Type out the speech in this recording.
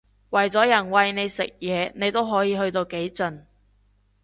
為咗人餵你食嘢你可以去到幾盡